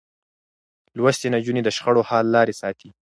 لوستې نجونې د شخړو حل لارې ساتي.